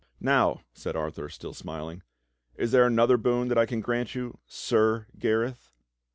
"Now," said Arthur, still smiling, "is there another boon that I can grant you, SIR Gareth.?"